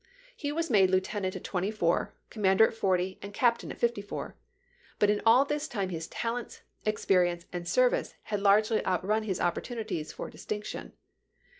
He was made lieutenant at twenty four, commander at forty, and captain at fifty four. But in all this time his talents, experience, and service had largely outrun his opportunities for distinction.